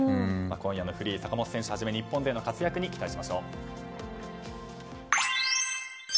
今夜のフリー坂本選手をはじめ日本勢の活躍に期待しましょう。